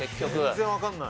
全然わかんない。